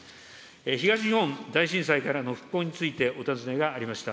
東日本大震災からの復興についてお尋ねがありました。